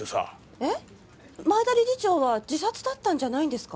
前田理事長は自殺だったんじゃないんですか？